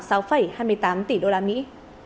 đạt khoảng sáu hai mươi tám tỷ đô la mỹ